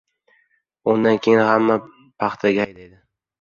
Undan keyin hammani paxtaga haydaydi.